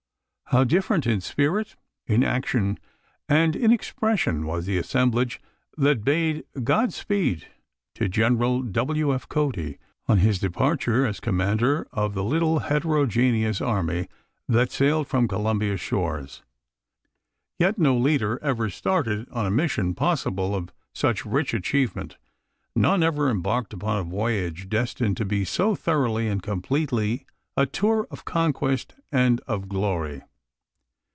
How different in spirit, in action, and in expression was the assemblage that bade "God speed" to Gen. W. F. Cody on his departure as commander of the little heterogeneous army that sailed from Columbia's shores. Yet no leader ever started on a mission possible of such rich achievement; none ever embarked upon a voyage destined to be so thoroughly and completely a tour of conquest and of glory.